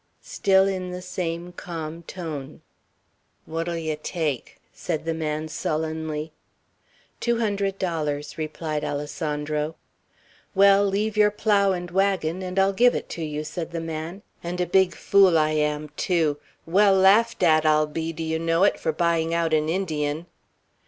Still in the same calm tone. "What'll you take?" said the man, sullenly. "Two hundred dollars," replied Alessandro. "Well, leave your plough and wagon, and I'll give it to you," said the man; "and a big fool I am, too. Well laughed at, I'll be, do you know it, for buying out an Indian!"